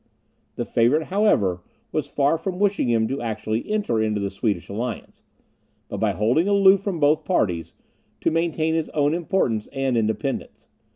The favourite, however, was far from wishing him actually to enter into the Swedish alliance, but, by holding aloof from both parties, to maintain his own importance and independence.